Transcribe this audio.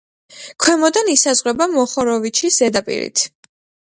ქვემოდან ისაზღვრება მოხოროვიჩიჩის ზედაპირით.